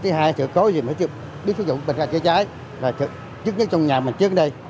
thứ hai sửa cố gì mà biết sử dụng bình ga cháy chết chết trong nhà mình chết đi